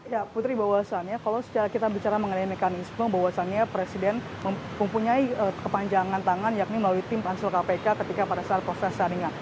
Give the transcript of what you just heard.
ya putri bahwasannya kalau kita bicara mengenai mekanisme bahwasannya presiden mempunyai kepanjangan tangan yakni melalui tim pansel kpk ketika pada saat proses saringan